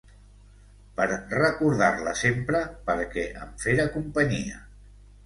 Per recordar-la sempre, perquè em fera companyia.